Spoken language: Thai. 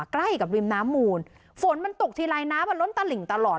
ใกล้กับริมน้ำมูลฝนมันตกทีไรน้ำมันล้นตะหลิ่งตลอด